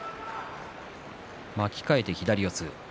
巻き替えて左四つ。